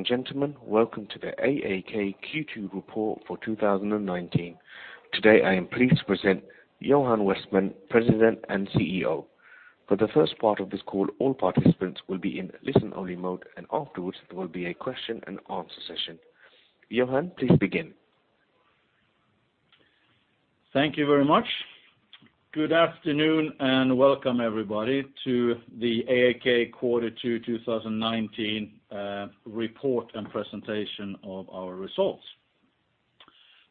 Ladies and gentlemen, welcome to the AAK Q2 report for 2019. Today, I am pleased to present Johan Westman, President and CEO. For the first part of this call, all participants will be in listen-only mode, afterwards, there will be a question and answer session. Johan, please begin. Thank you very much. Good afternoon and welcome everybody to the AAK Quarter 2 2019 report and presentation of our results.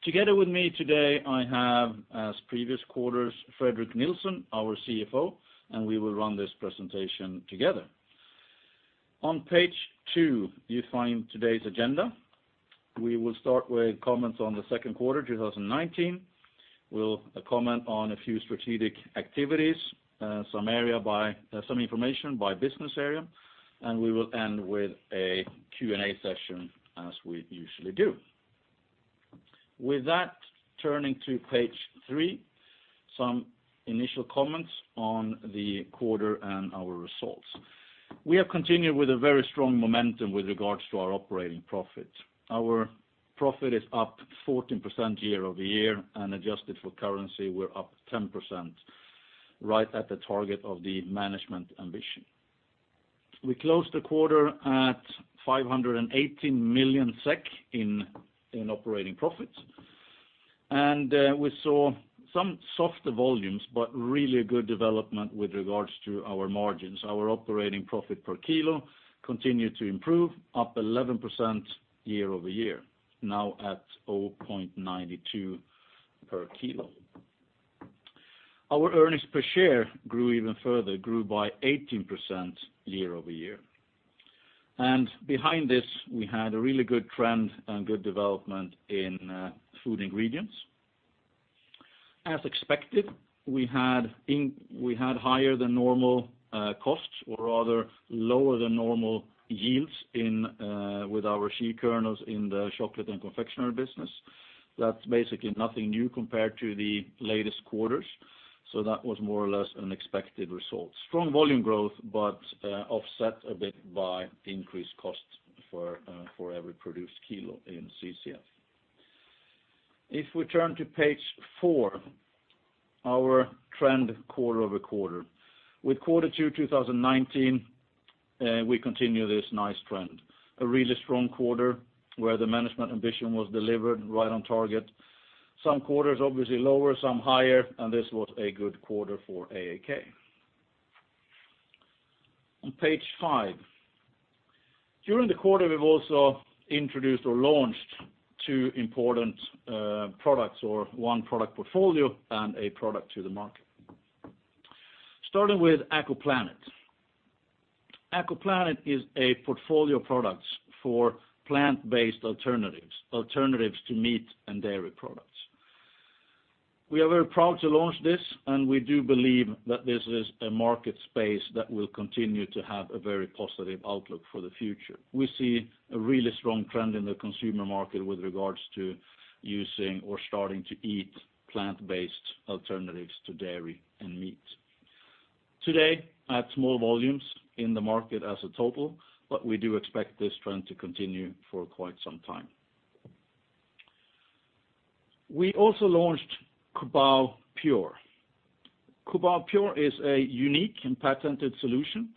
Together with me today, I have, as previous quarters, Fredrik Nilsson, our CFO, we will run this presentation together. On page two, you find today's agenda. We will start with comments on the second quarter 2019. We'll comment on a few strategic activities, some information by business area, we will end with a Q&A session as we usually do. With that, turning to page three, some initial comments on the quarter and our results. We have continued with a very strong momentum with regards to our operating profit. Our profit is up 14% year-over-year, adjusted for currency, we're up 10%, right at the target of the management ambition. We closed the quarter at 518 million SEK in operating profit. We saw some softer volumes, but really good development with regards to our margins. Our operating profit per kilo continued to improve, up 11% year-over-year, now at 0.92 per kilo. Our earnings per share grew even further, grew by 18% year-over-year. Behind this, we had a really good trend and good development in Food Ingredients. As expected, we had higher than normal costs or rather lower than normal yields with our shea kernels in the Chocolate and Confectionery business. That's basically nothing new compared to the latest quarters, so that was more or less an expected result. Strong volume growth, but offset a bit by increased costs for every produced kilo in CCF. If we turn to page four, our trend quarter-over-quarter. With Quarter 2 2019, we continue this nice trend. A really strong quarter where the management ambition was delivered right on target. Some quarters obviously lower, some higher, this was a good quarter for AAK. On page five. During the quarter, we've also introduced or launched two important products or one product portfolio and a product to the market. Starting with AkoPlanet. AkoPlanet is a portfolio of products for plant-based alternatives to meat and dairy products. We are very proud to launch this, we do believe that this is a market space that will continue to have a very positive outlook for the future. We see a really strong trend in the consumer market with regards to using or starting to eat plant-based alternatives to dairy and meat. Today, at small volumes in the market as a total, we do expect this trend to continue for quite some time. We also launched COBAO Pure. COBAO Pure is a unique and patented solution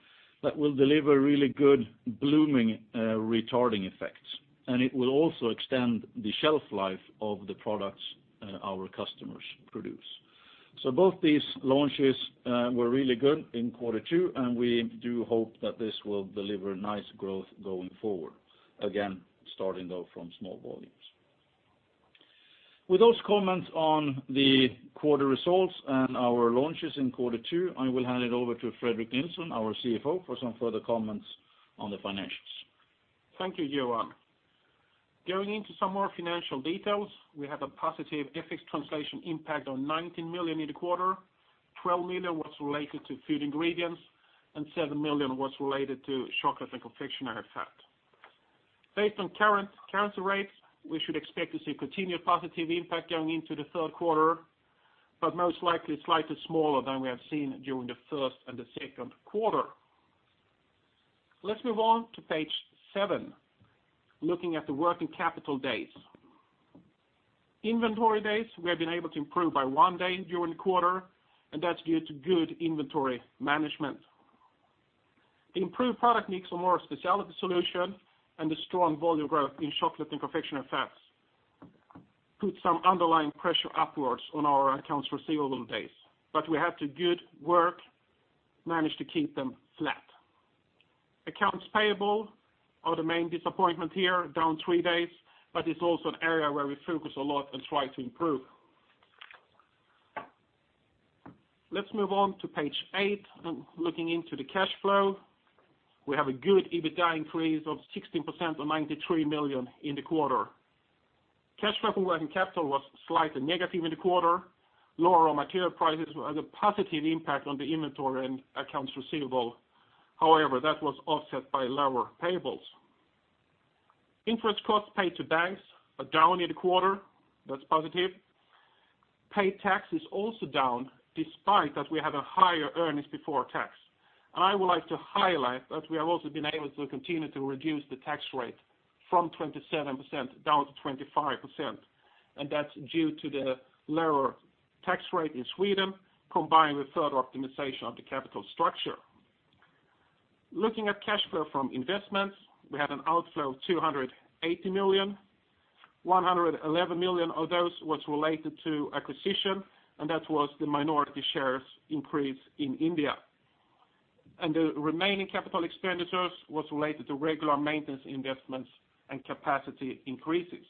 that will deliver really good bloom-retarding effects, and it will also extend the shelf life of the products our customers produce. So both these launches were really good in quarter two, and we do hope that this will deliver nice growth going forward. Again, starting though from small volumes. With those comments on the quarter results and our launches in quarter two, I will hand it over to Fredrik Nilsson, our CFO, for some further comments on the financials. Thank you, Johan. Going into some more financial details, we have a positive FX translation impact on 19 million in the quarter. 12 million was related to Food Ingredients, and 7 million was related to Chocolate and Confectionery Fats. Based on current currency rates, we should expect to see continued positive impact going into the third quarter, but most likely slightly smaller than we have seen during the first and the second quarter. Let's move on to page seven, looking at the working capital days. Inventory days, we have been able to improve by one day during the quarter, and that's due to good inventory management. The improved product mix on more specialty solution and the strong volume growth in Chocolate and Confectionery Fats put some underlying pressure upwards on our accounts receivable days, but we have to good work manage to keep them flat. Accounts payable are the main disappointment here, down three days, but it's also an area where we focus a lot and try to improve. Let's move on to page eight, looking into the cash flow. We have a good EBITDA increase of 16% or 93 million in the quarter. Cash flow working capital was slightly negative in the quarter. Lower raw material prices had a positive impact on the inventory and accounts receivable. However, that was offset by lower payables. Interest costs paid to banks are down in the quarter. That's positive. Paid tax is also down despite that we have a higher earnings before tax. And I would like to highlight that we have also been able to continue to reduce the tax rate from 27% down to 25%, and that's due to the lower tax rate in Sweden, combined with further optimization of the capital structure. Looking at cash flow from investments, we had an outflow of 280 million. 111 million of those was related to acquisition, and that was the minority shares increase in India. And the remaining capital expenditures was related to regular maintenance investments and capacity increases.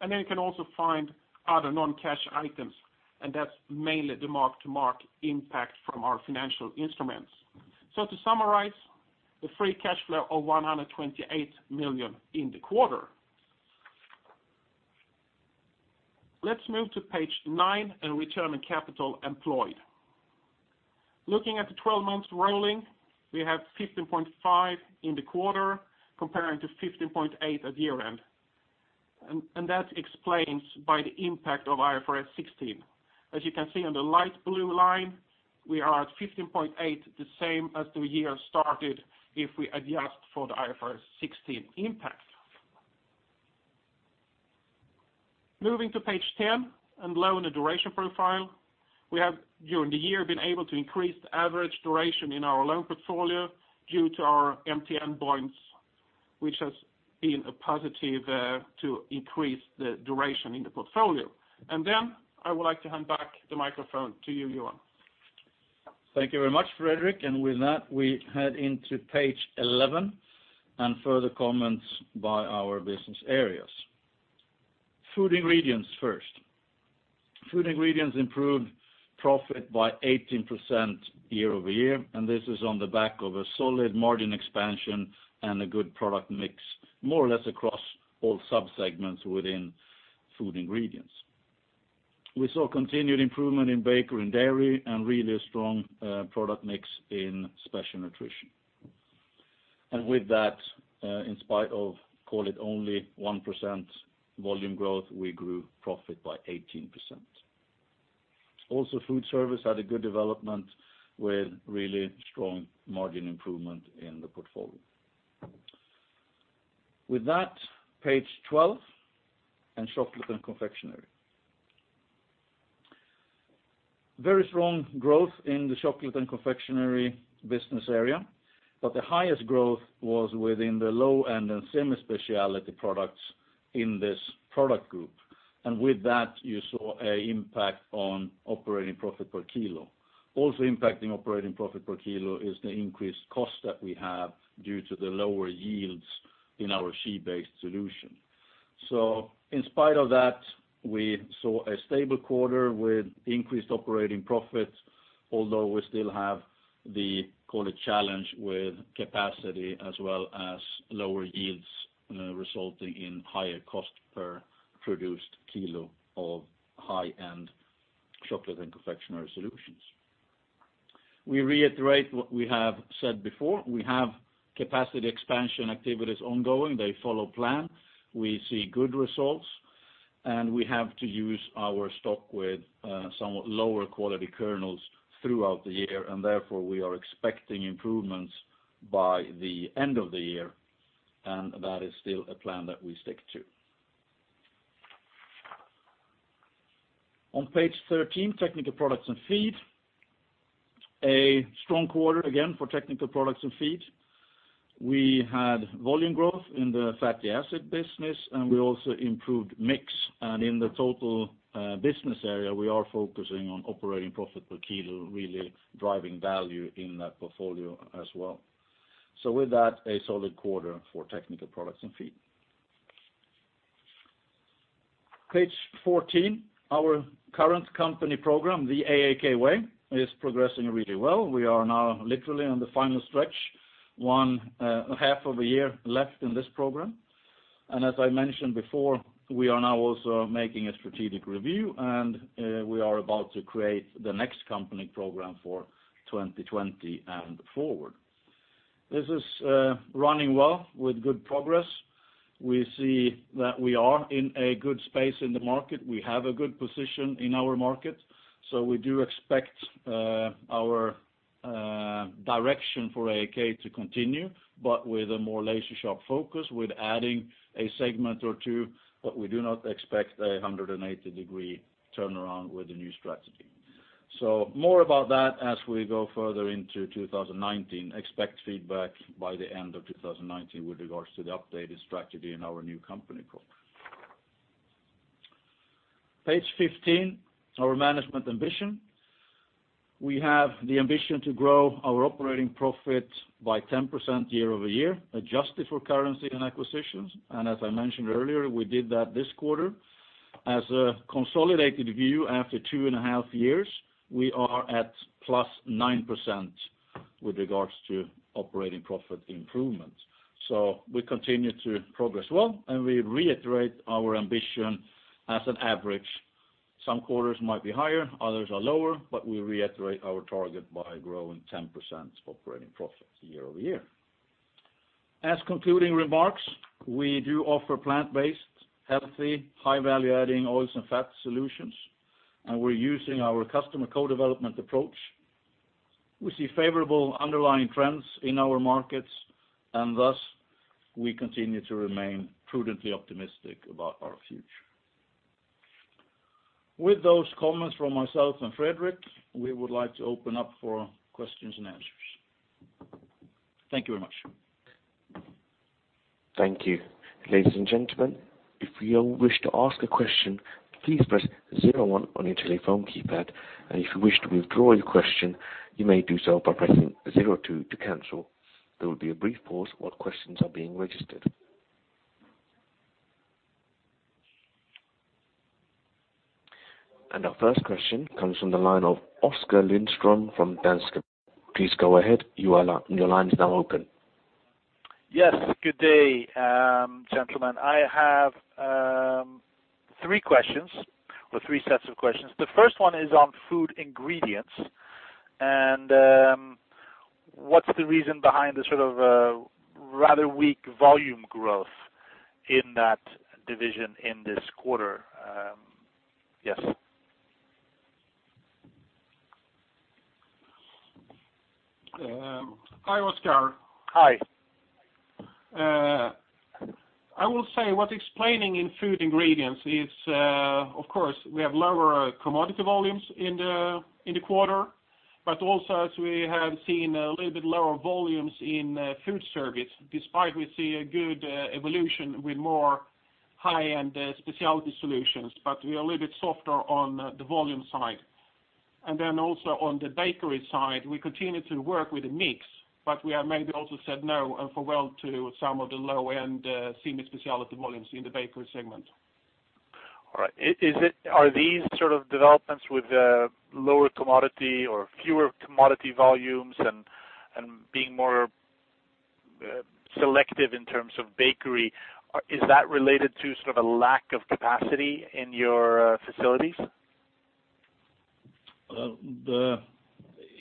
And then you can also find other non-cash items, and that's mainly the mark-to-market impact from our financial instruments. So to summarize, the free cash flow of 128 million in the quarter. Let's move to page nine and return on capital employed. Looking at the 12 months rolling, we have 15.5% in the quarter comparing to 15.8% at year-end, and that's explained by the impact of IFRS 16. As you can see on the light blue line, we are at 15.8%, the same as the year started if we adjust for the IFRS 16 impact. Moving to page 10 on loan duration profile. We have, during the year, been able to increase the average duration in our loan portfolio due to our MTN bonds, which has been a positive to increase the duration in the portfolio. I would like to hand back the microphone to you, Johan. Thank you very much, Fredrik. We head into page 11 and further comments by our business areas. Food Ingredients first. Food Ingredients improved profit by 18% year-over-year, on the back of a solid margin expansion and a good product mix, more or less across all subsegments within Food Ingredients. We saw continued improvement in bakery and dairy and really a strong product mix in special nutrition. In spite of, call it only 1% volume growth, we grew profit by 18%. Also, food service had a good development with really strong margin improvement in the portfolio. Page 12 on Chocolate and Confectionery. Very strong growth in the Chocolate and Confectionery business area, the highest growth was within the low-end and semi-specialty products in this product group. You saw an impact on operating profit per kilo. Also impacting operating profit per kilo is the increased cost that we have due to the lower yields in our shea-based solution. In spite of that, we saw a stable quarter with increased operating profit, although we still have the, call it challenge, with capacity as well as lower yields resulting in higher cost per produced kilo of high-end chocolate and confectionery solutions. We reiterate what we have said before. We have capacity expansion activities ongoing. They follow plan. We see good results, and we have to use our stock with somewhat lower quality kernels throughout the year, therefore we are expecting improvements by the end of the year, and that is still a plan that we stick to. On page 13, Technical Products and Feed. A strong quarter again for Technical Products and Feed. We had volume growth in the fatty acid business, we also improved mix. In the total business area, we are focusing on operating profit per kilo, really driving value in that portfolio as well. A solid quarter for Technical Products and Feed. Page 14, our current company program, The AAK Way, is progressing really well. We are now literally on the final stretch, one half of a year left in this program. As I mentioned before, we are now also making a strategic review, we are about to create the next company program for 2020 and forward. This is running well with good progress. We see that we are in a good space in the market. We have a good position in our market. We do expect our direction for AAK to continue, but with a more laser-sharp focus with adding a segment or two, but we do not expect a 180-degree turnaround with the new strategy. More about that as we go further into 2019. Expect feedback by the end of 2019 with regards to the updated strategy in our new company program. Page 15, our management ambition. We have the ambition to grow our operating profit by 10% year-over-year, adjusted for currency and acquisitions. As I mentioned earlier, we did that this quarter. As a consolidated view, after two and a half years, we are at +9% with regards to operating profit improvement. We continue to progress well, and we reiterate our ambition as an average. Some quarters might be higher, others are lower, we reiterate our target by growing 10% operating profit year-over-year. As concluding remarks, we do offer plant-based, healthy, high-value adding oils and fat solutions, and we're using our customer co-development approach. We see favorable underlying trends in our markets, and thus, we continue to remain prudently optimistic about our future. With those comments from myself and Fredrik, we would like to open up for questions and answers. Thank you very much. Thank you. Ladies and gentlemen, if you wish to ask a question, please press 01 on your telephone keypad. If you wish to withdraw your question, you may do so by pressing 02 to cancel. There will be a brief pause while questions are being registered. Our first question comes from the line of Oskar Lindström from Danske Bank. Please go ahead. Your line is now open. Yes. Good day, gentlemen. I have three questions or three sets of questions. The first one is on Food Ingredients, and what's the reason behind the rather weak volume growth in that division in this quarter? Yes. Hi, Oskar. Hi. I will say what's explaining in Food Ingredients is, of course, we have lower commodity volumes in the quarter, also as we have seen a little bit lower volumes in food service, despite we see a good evolution with more high-end specialty solutions. We are a little bit softer on the volume side. Also on the bakery side, we continue to work with the mix, but we have maybe also said no for well to some of the low-end semi-specialty volumes in the bakery segment. All right. Are these sort of developments with lower commodity or fewer commodity volumes and being more selective in terms of bakery, is that related to sort of a lack of capacity in your facilities?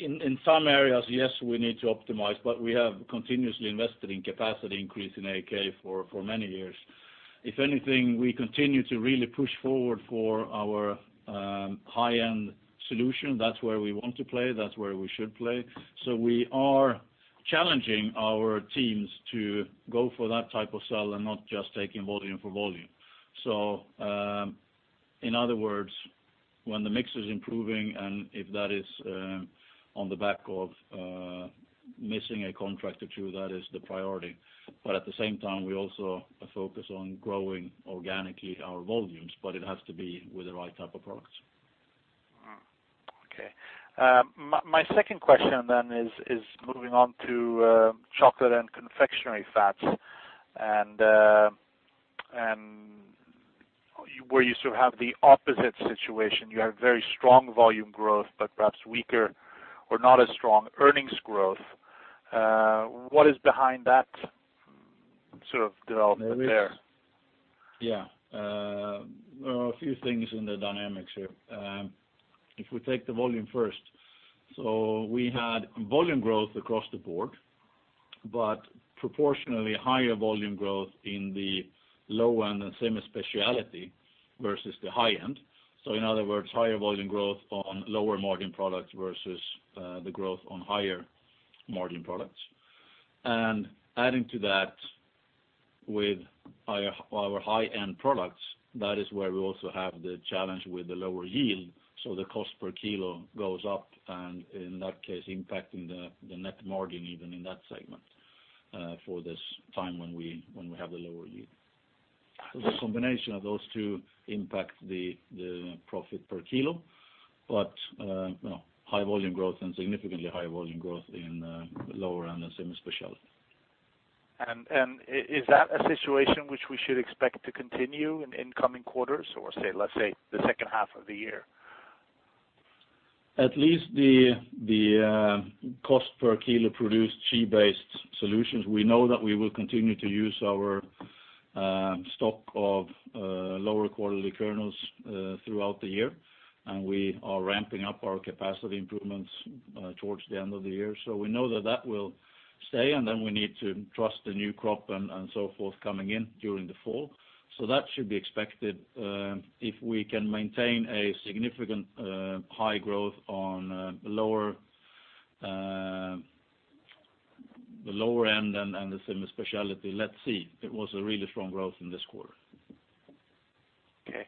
In some areas, yes, we need to optimize, we have continuously invested in capacity increase in AAK for many years. If anything, we continue to really push forward for our high-end solution. That's where we want to play. That's where we should play. We are challenging our teams to go for that type of sell and not just taking volume for volume. In other words, when the mix is improving and if that is on the back of missing a contract or two, that is the priority. At the same time, we also focus on growing organically our volumes, but it has to be with the right type of products. Okay. My second question is moving on to Chocolate and Confectionery Fats where you sort of have the opposite situation. You have very strong volume growth, perhaps weaker or not as strong earnings growth. What is behind that sort of development there? Yeah. A few things in the dynamics here. If we take the volume first. We had volume growth across the board, proportionally higher volume growth in the low end and semi-specialty versus the high end. In other words, higher volume growth on lower margin products versus the growth on higher margin products. Adding to that with our high-end products, that is where we also have the challenge with the lower yield. The cost per kilo goes up, in that case, impacting the net margin even in that segment for this time when we have the lower yield. The combination of those two impact the profit per kilo. High volume growth and significantly higher volume growth in the lower end and semi-specialty. Is that a situation which we should expect to continue in coming quarters or, let's say, the second half of the year? At least the cost per kilo produced shea-based solutions, we know that we will continue to use our stock of lower quality kernels throughout the year, we are ramping up our capacity improvements towards the end of the year. We know that that will stay, then we need to trust the new crop and so forth coming in during the fall. That should be expected. If we can maintain a significant high growth on the lower end and the semi-specialty, let's see. It was a really strong growth in this quarter. Okay.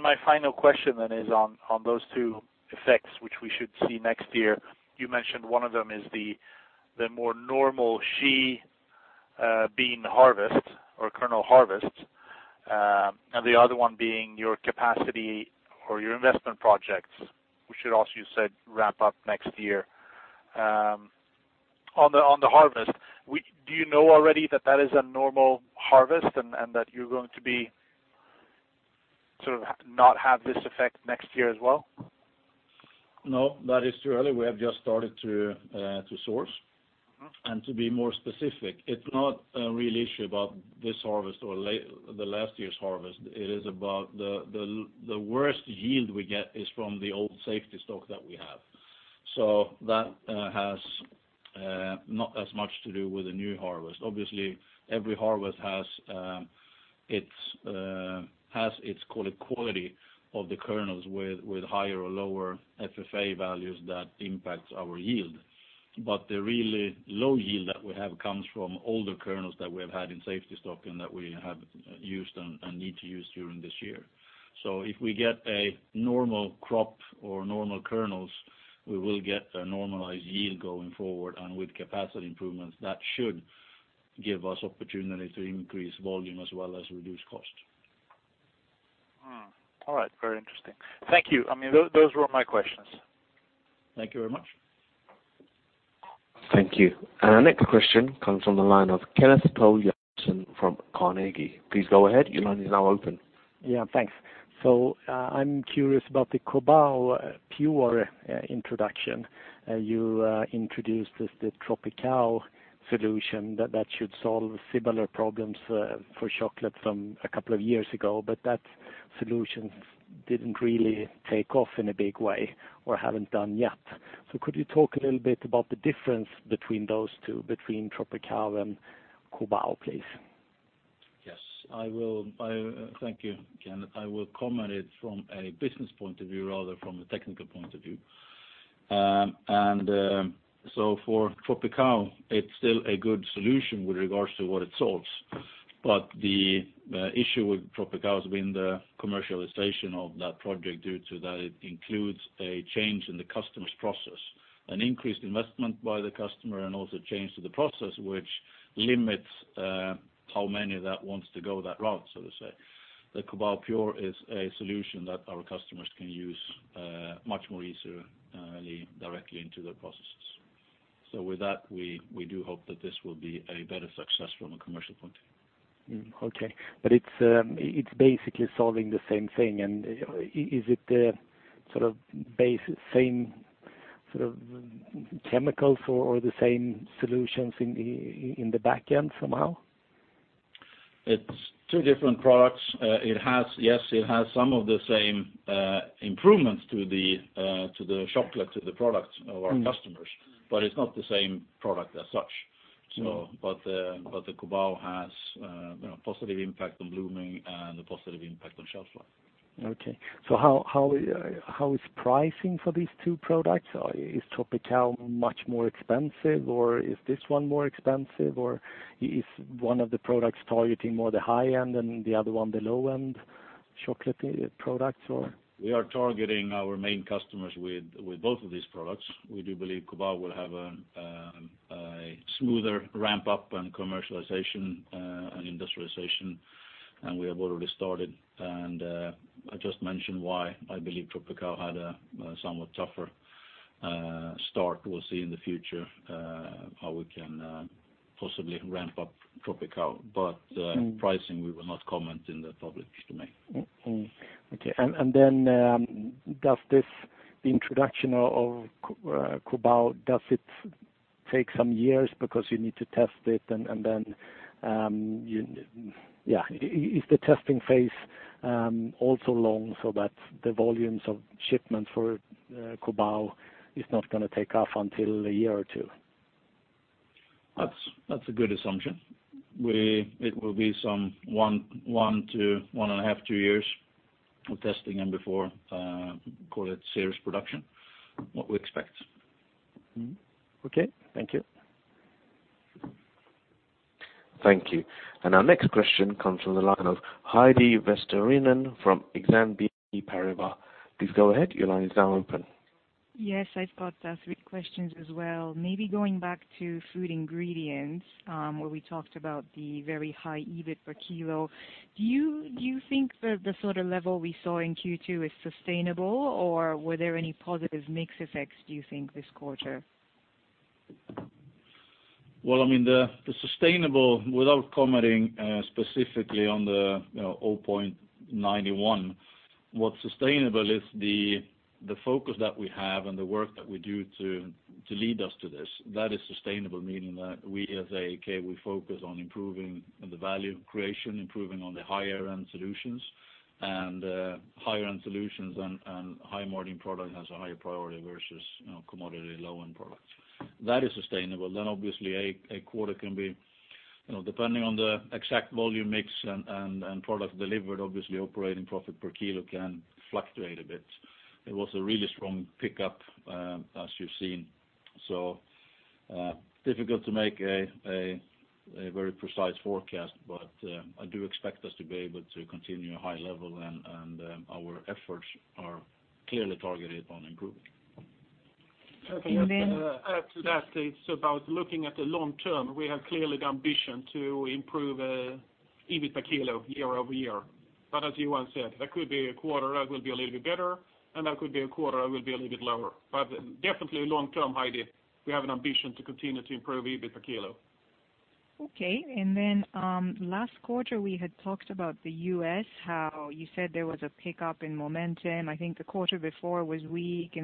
My final question is on those two effects, which we should see next year. You mentioned one of them is the more normal shea bean harvest or kernel harvest, and the other one being your capacity or your investment projects, which should also, you said, wrap up next year. On the harvest, do you know already that that is a normal harvest and that you are going to be sort of not have this effect next year as well? No, that is too early. We have just started to source. To be more specific, it is not a real issue about this harvest or the last year's harvest. It is about the worst yield we get is from the old safety stock that we have. So that has not as much to do with the new harvest. Obviously, every harvest has its quality of the kernels with higher or lower FFA values that impacts our yield. The really low yield that we have comes from older kernels that we have had in safety stock and that we have used and need to use during this year. If we get a normal crop or normal kernels, we will get a normalized yield going forward and with capacity improvements, that should give us opportunity to increase volume as well as reduce cost. All right. Very interesting. Thank you. Those were all my questions. Thank you very much. Thank you. Our next question comes from the line of Kenneth Olsson from Carnegie. Please go ahead. Your line is now open. Thanks. I'm curious about the COBAO Pure introduction. You introduced the TROPICAO solution that should solve similar problems for chocolate from a couple of years ago, that solution didn't really take off in a big way or haven't done yet. Could you talk a little bit about the difference between those two, between TROPICAO and COBAO, please? Yes, I will. Thank you, Kenneth. I will comment it from a business point of view rather from a technical point of view. For TROPICAO, it's still a good solution with regards to what it solves. The issue with TROPICAO has been the commercialization of that project due to that it includes a change in the customer's process, an increased investment by the customer, and also change to the process, which limits how many that wants to go that route, so to say. The COBAO Pure is a solution that our customers can use much more easily directly into their processes. With that, we do hope that this will be a better success from a commercial point of view. Okay. It's basically solving the same thing, is it the same sort of chemicals or the same solutions in the back end somehow? It's two different products. Yes, it has some of the same improvements to the chocolate, to the product of our customers, it's not the same product as such. The COBAO has a positive impact on blooming and a positive impact on shelf life. Okay. How is pricing for these two products? Is TROPICAO much more expensive, or is this one more expensive? Is one of the products targeting more the high end and the other one the low-end chocolate products or? We are targeting our main customers with both of these products. We do believe COBAO will have a smoother ramp-up and commercialization, and industrialization, we have already started. I just mentioned why I believe TROPICAO had a somewhat tougher start. We'll see in the future how we can possibly ramp up TROPICAO. Pricing, we will not comment in the public domain. Okay. Then, does the introduction of COBAO, does it take some years because you need to test it and then is the testing phase also long so that the volumes of shipment for COBAO is not going to take off until a year or two? That's a good assumption. It will be some one to one and a half, two years of testing and before call it serious production, what we expect. Okay. Thank you. Thank you. Our next question comes from the line of Heidi Vesterinen from Exane BNP Paribas. Please go ahead. Your line is now open. Yes, I've got three questions as well. Maybe going back to Food Ingredients, where we talked about the very high EBIT per kilo, do you think that the sort of level we saw in Q2 is sustainable, or were there any positive mix effects, do you think, this quarter? Well, the sustainable, without commenting specifically on the 0.91, what's sustainable is the focus that we have and the work that we do to lead us to this. That is sustainable, meaning that we as AAK, we focus on improving the value creation, improving on the higher end solutions, and higher end solutions and high margin product has a higher priority versus commodity low-end products. That is sustainable. Obviously a quarter can be, depending on the exact volume mix and product delivered, obviously operating profit per kilo can fluctuate a bit. There was a really strong pickup, as you've seen. Difficult to make a very precise forecast, I do expect us to be able to continue a high level, and our efforts are clearly targeted on improvement. Okay. And then- To add to that, it's about looking at the long term. We have clearly the ambition to improve EBIT per kilo year-over-year. As Johan said, there could be a quarter that will be a little bit better, and there could be a quarter that will be a little bit lower. Definitely long term, Heidi, we have an ambition to continue to improve EBIT per kilo. Okay. Last quarter, we had talked about the U.S., how you said there was a pickup in momentum. I think the quarter before was weak,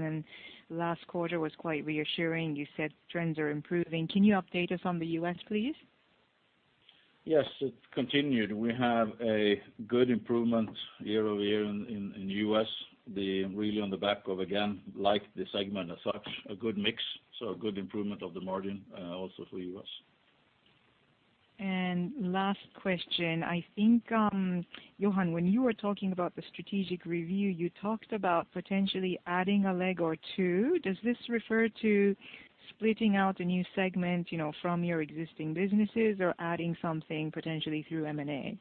last quarter was quite reassuring. You said trends are improving. Can you update us on the U.S., please? Yes, it continued. We have a good improvement year-over-year in U.S., really on the back of, again, like the segment as such, a good mix, so a good improvement of the margin also for U.S. Last question. I think, Johan, when you were talking about the strategic review, you talked about potentially adding a leg or two. Does this refer to splitting out a new segment from your existing businesses or adding something potentially through M&A?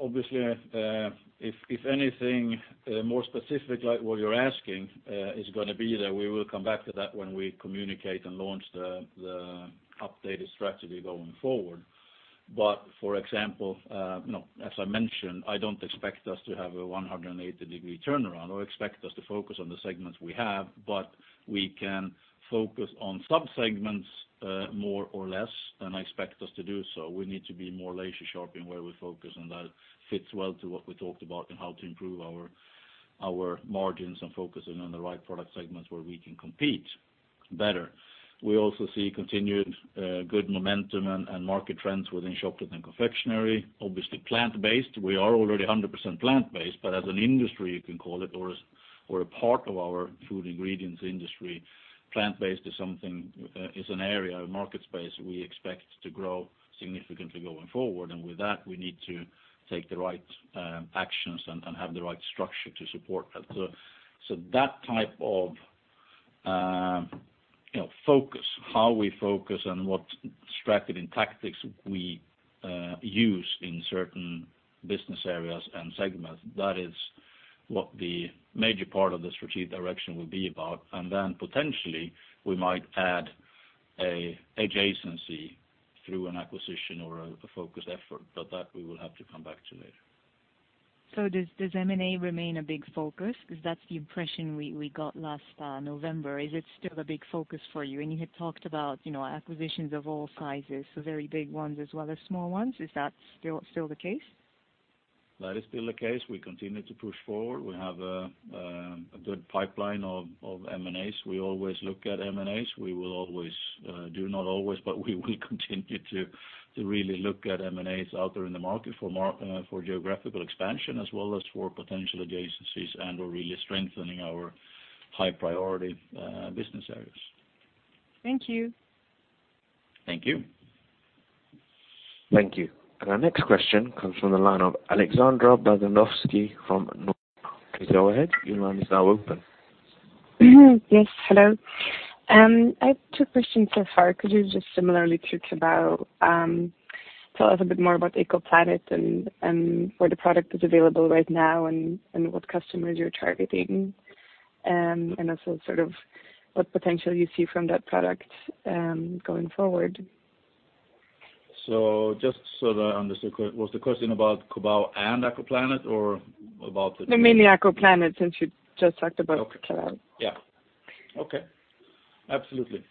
Obviously, if anything more specific like what you're asking is going to be there, we will come back to that when we communicate and launch the updated strategy going forward. For example, as I mentioned, I don't expect us to have a 180-degree turnaround or expect us to focus on the segments we have, but we can focus on sub-segments more or less, and I expect us to do so. We need to be more laser sharp in where we focus, and that fits well to what we talked about and how to improve our margins and focusing on the right product segments where we can compete better. We also see continued good momentum and market trends within chocolate and confectionery. Obviously plant-based, we are already 100% plant-based, but as an industry, you can call it, or a part of our Food Ingredients industry, plant-based is an area of market space we expect to grow significantly going forward. With that, we need to take the right actions and have the right structure to support that. That type of focus, how we focus and what strategy and tactics we use in certain business areas and segments, that is what the major part of the strategic direction will be about. Then potentially we might add a adjacency through an acquisition or a focused effort, but that we will have to come back to later. Does M&A remain a big focus? Because that's the impression we got last November. Is it still a big focus for you? You had talked about acquisitions of all sizes, so very big ones as well as small ones. Is that still the case? That is still the case. We continue to push forward. We have a good pipeline of M&As. We always look at M&As. We will continue to really look at M&As out there in the market for geographical expansion as well as for potential adjacencies, and we're really strengthening our high-priority business areas. Thank you. Thank you. Thank you. Our next question comes from the line of Alexandra Bogdanovsky from. Please go ahead. Your line is now open. Yes, hello. I have two questions so far. Could you just similarly Tell us a bit more about AkoPlanet and where the product is available right now and what customers you're targeting, and also what potential you see from that product going forward. Just so that I understand correct, was the question about COBAO and AkoPlanet or about the two- Mainly AkoPlanet since you just talked about COBAO. Okay. Absolutely.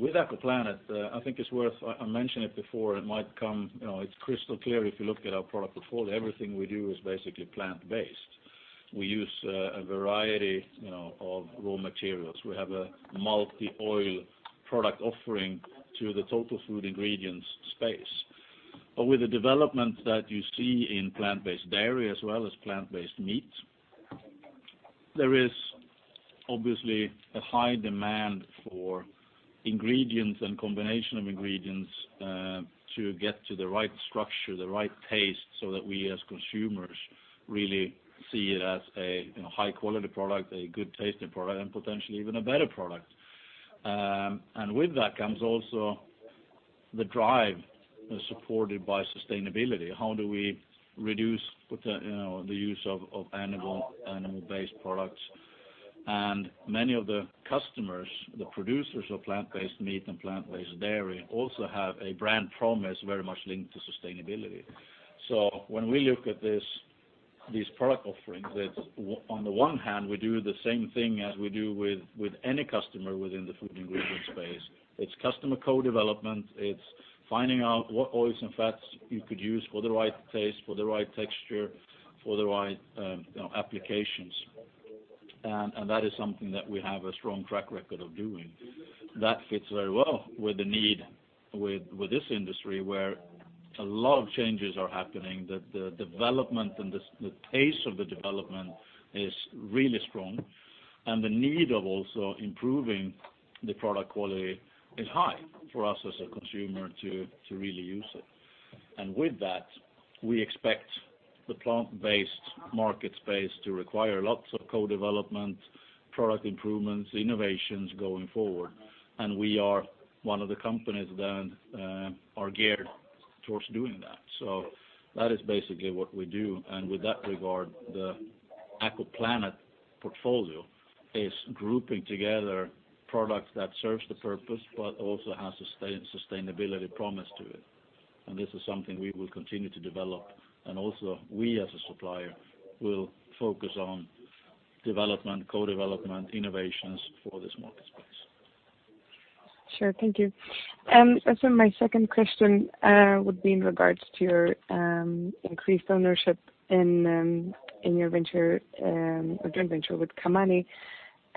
With AkoPlanet, I think it's worth, I mentioned it before, it's crystal clear if you look at our product portfolio, everything we do is basically plant-based. We use a variety of raw materials. We have a multi-oil product offering to the total food ingredients space. With the development that you see in plant-based dairy as well as plant-based meat, there is obviously a high demand for ingredients and combination of ingredients to get to the right structure, the right taste, so that we as consumers really see it as a high-quality product, a good-tasting product, and potentially even a better product. With that comes also the drive supported by sustainability. How do we reduce the use of animal-based products? Many of the customers, the producers of plant-based meat and plant-based dairy, also have a brand promise very much linked to sustainability. When we look at these product offerings, on the one hand we do the same thing as we do with any customer within the food ingredient space. It's customer co-development. It's finding out what oils and fats you could use for the right taste, for the right texture, for the right applications. That is something that we have a strong track record of doing. That fits very well with the need with this industry, where a lot of changes are happening. The development and the pace of the development is really strong, and the need of also improving the product quality is high for us as a consumer to really use it. With that, we expect the plant-based market space to require lots of co-development, product improvements, innovations going forward. We are one of the companies that are geared towards doing that. That is basically what we do. With that regard, the AkoPlanet portfolio is grouping together products that serves the purpose but also has sustainability promise to it. This is something we will continue to develop. Also we as a supplier will focus on development, co-development, innovations for this market space. Sure. Also my second question would be in regards to your increased ownership in your joint venture with Kamani.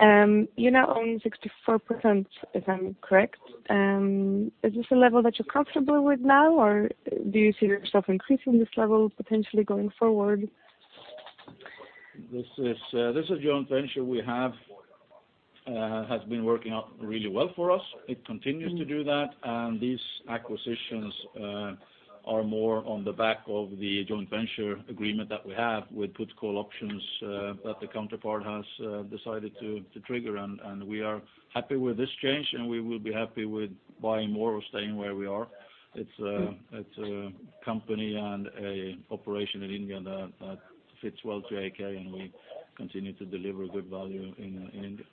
You now own 64%, if I'm correct. Is this a level that you're comfortable with now or do you see yourself increasing this level potentially going forward? This is a joint venture we have, has been working out really well for us. It continues to do that, and these acquisitions are more on the back of the joint venture agreement that we have with put call options that the counterpart has decided to trigger. We are happy with this change, and we will be happy with buying more or staying where we are. It's a company and a operation in India that fits well to AAK, and we continue to deliver good value in India.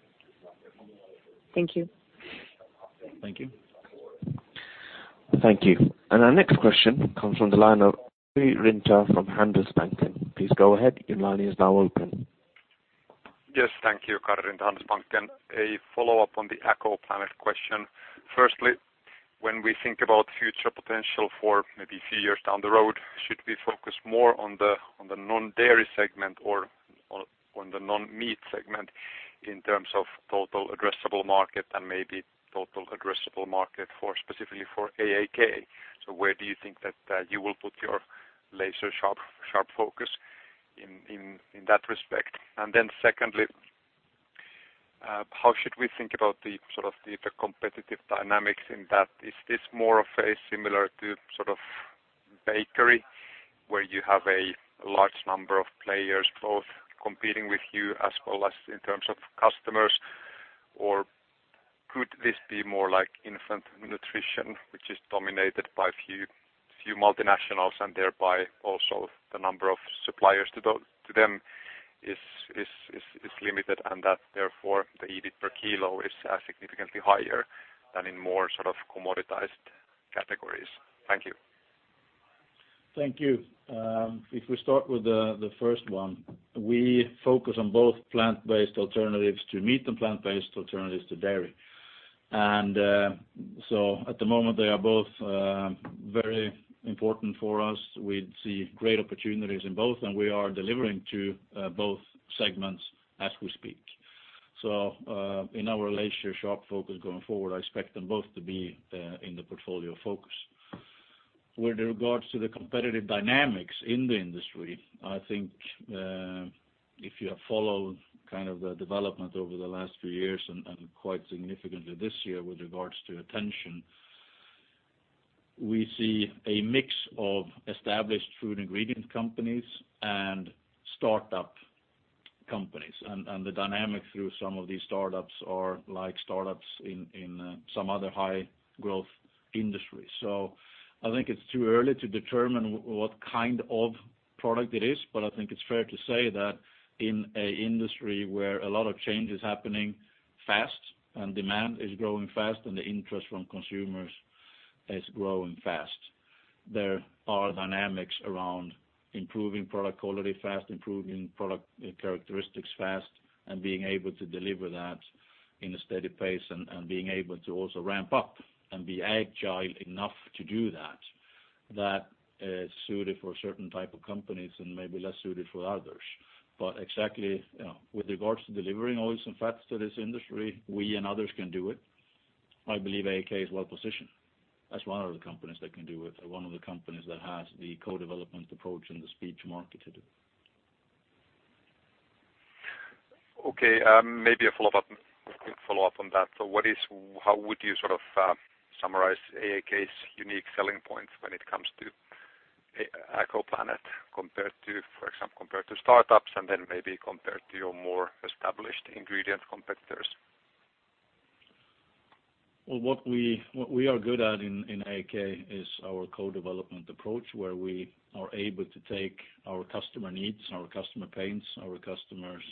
Thank you. Thank you. Thank you. Our next question comes from the line of Karri Rinta from Handelsbanken. Please go ahead. Your line is now open. Yes. Thank you. Karri Rinta, Handelsbanken. A follow-up on the AkoPlanet™ question. Firstly, when we think about future potential for maybe a few years down the road, should we focus more on the non-dairy segment or on the non-meat segment in terms of total addressable market and maybe total addressable market specifically for AAK? Where do you think that you will put your laser sharp focus in that respect? Secondly, how should we think about the competitive dynamics in that? Is this more of a similar to bakery where you have a large number of players both competing with you as well as in terms of customers? Or could this be more like infant nutrition, which is dominated by few multinationals and thereby also the number of suppliers to them is limited, and that therefore the EBIT per kilo is significantly higher than in more commoditized categories. Thank you. Thank you. If we start with the first one, we focus on both plant-based alternatives to meat and plant-based alternatives to dairy. At the moment, they are both very important for us. We see great opportunities in both, and we are delivering to both segments as we speak. In our laser sharp focus going forward, I expect them both to be in the portfolio focus. With regards to the competitive dynamics in the industry, I think, if you have followed the development over the last few years and quite significantly this year with regards to attention, we see a mix of established food ingredient companies and startup companies. The dynamic through some of these startups are like startups in some other high growth industries. I think it's too early to determine what kind of product it is, I think it's fair to say that in an industry where a lot of change is happening fast and demand is growing fast and the interest from consumers is growing fast, there are dynamics around improving product quality fast, improving product characteristics fast, and being able to deliver that in a steady pace and being able to also ramp up and be agile enough to do that. That is suited for certain type of companies and maybe less suited for others. Exactly, with regards to delivering oils and fats to this industry, we and others can do it. I believe AAK is well-positioned as one of the companies that can do it and one of the companies that has the co-development approach and the speed to market to do it. Okay, maybe a quick follow-up on that. How would you summarize AAK's unique selling points when it comes to AkoPlanet compared to, for example, compared to startups and then maybe compared to your more established ingredient competitors? Well, what we are good at in AAK is our co-development approach, where we are able to take our customer needs, our customer pains, our customer's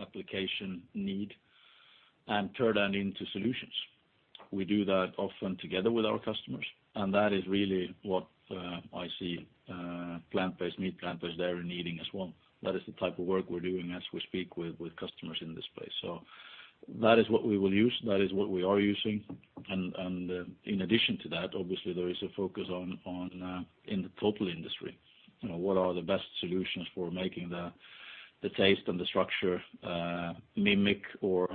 application need, and turn that into solutions. We do that often together with our customers, and that is really what I see plant-based meat, plant-based dairy needing as well. That is the type of work we're doing as we speak with customers in this space. That is what we will use, that is what we are using. In addition to that, obviously there is a focus in the total industry. What are the best solutions for making the taste and the structure mimic or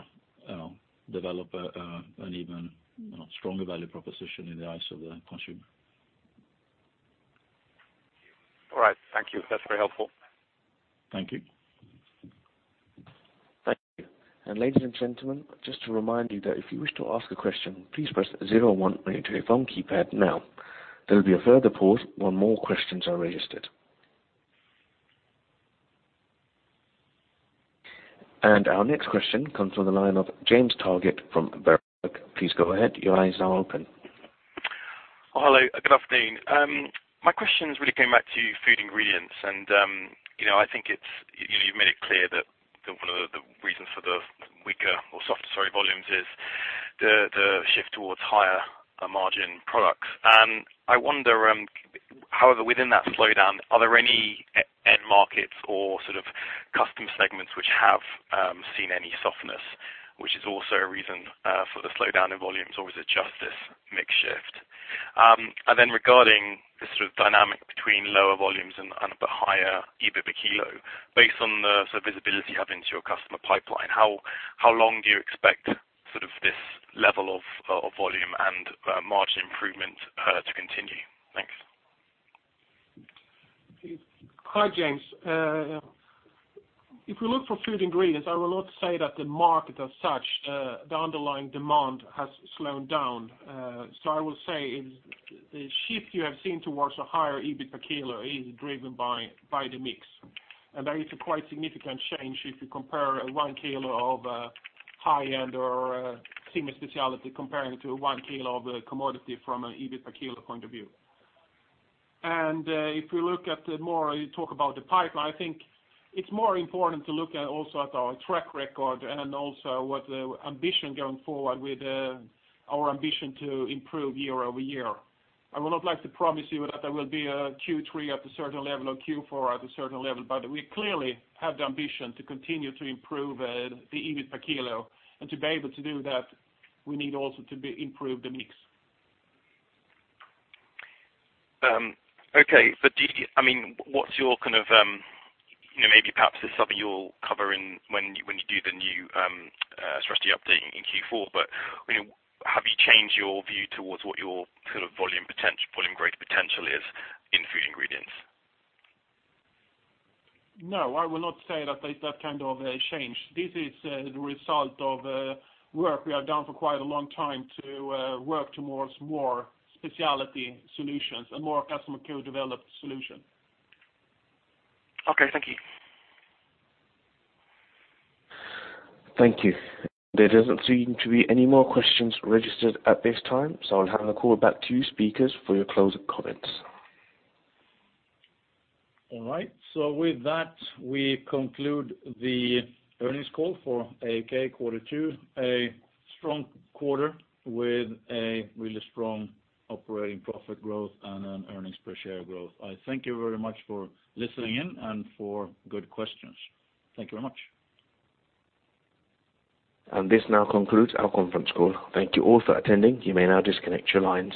develop an even stronger value proposition in the eyes of the consumer. All right. Thank you. That's very helpful. Thank you. Thank you. Ladies and gentlemen, just to remind you that if you wish to ask a question, please press 0 or 1 on your telephone keypad now. There will be a further pause while more questions are registered. Our next question comes from the line of James Targett from Berenberg. Please go ahead. Your line is now open. Hello, good afternoon. My question is really came back to Food Ingredients. I think you've made it clear that one of the reasons for the weaker or softer, sorry, volumes is the shift towards higher margin product. I wonder, however, within that slowdown, are there any end markets or custom segments which have seen any softness, which is also a reason for the slowdown in volumes, or is it just this mix shift? Regarding the dynamic between lower volumes and the higher EBIT per kilo, based on the visibility you have into your customer pipeline, how long do you expect this level of volume and margin improvement to continue? Thanks. Hi, James. If you look for Food Ingredients, I will not say that the market as such, the underlying demand, has slowed down. I will say the shift you have seen towards a higher EBIT per kilo is driven by the mix. That is a quite significant change if you compare one kilo of high-end or semi-specialty comparing to one kilo of a commodity from an EBIT per kilo point of view. If we look at more, you talk about the pipeline, I think it is more important to look also at our track record and also what the ambition going forward with our ambition to improve year-over-year. I would not like to promise you that there will be a Q3 at a certain level or Q4 at a certain level, but we clearly have the ambition to continue to improve the EBIT per kilo. To be able to do that, we need also to improve the mix. Okay. Maybe perhaps this is something you'll cover when you do the new strategy update in Q4. Have you changed your view towards what your volume grade potential is in Food Ingredients? No, I will not say that there's that kind of a change. This is the result of work we have done for quite a long time to work towards more specialty solutions and more customer co-developed solution. Okay, thank you. Thank you. There doesn't seem to be any more questions registered at this time, so I'll hand the call back to you speakers for your closing comments. All right. With that, we conclude the earnings call for AAK quarter two. A strong quarter with a really strong operating profit growth and an earnings per share growth. I thank you very much for listening in and for good questions. Thank you very much. This now concludes our conference call. Thank you all for attending. You may now disconnect your lines.